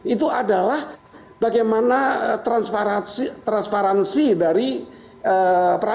itu adalah bagaimana transparansi dari peradilan